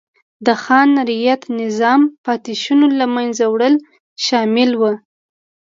د خان رعیت نظام پاتې شونو له منځه وړل شامل و.